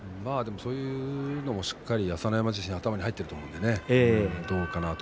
そういうのしっかり朝乃山自身も頭に入っていると思うので。